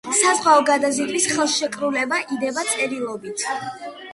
საზღვაო გადაზიდვის ხელშეკრულება იდება წერილობით.